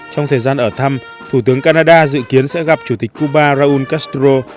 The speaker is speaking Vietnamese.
trong thời gian ở thăm thủ tướng canada dự kiến sẽ gặp chủ tịch cuba raúl castro